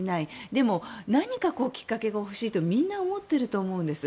でも、何かきっかけが欲しいとみんな思っていると思うんです。